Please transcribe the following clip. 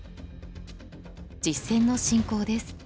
実戦の進行です。